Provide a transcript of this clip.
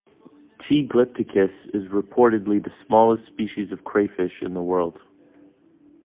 "T. glypticus" is reportedly the smallest species of crayfish in the world.